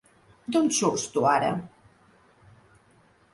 D'on surts, tu, ara?